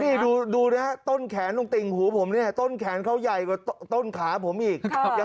นี่ดูนะฮะต้นแขนลุงติ่งหูผมเนี่ยต้นแขนเขาใหญ่กว่าต้นขาผมอีก